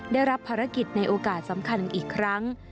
ได้รับภารกิจในโอกาสสำคัญอีกครั้ง